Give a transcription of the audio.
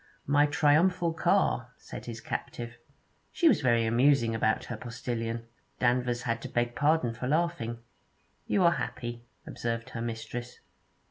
'My triumphal car,' said his captive. She was very amusing about her postillion; Danvers had to beg pardon for laughing. 'You are happy,' observed her mistress.